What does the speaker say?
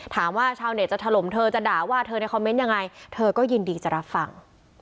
ชาวเน็ตจะถล่มเธอจะด่าว่าเธอในคอมเมนต์ยังไงเธอก็ยินดีจะรับฟัง